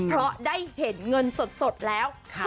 เพราะได้เห็นเงินสดแล้ว